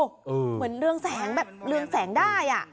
เหมือนเรืองแสงแบบเรืองแสงได้